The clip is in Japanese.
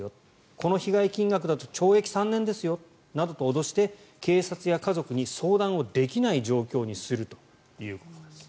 この被害金額だと懲役３年ですよなどと脅して警察や家族に相談をできない状況にするということです。